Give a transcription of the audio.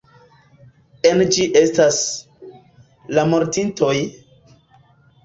En ĝi estas... la mortintoj!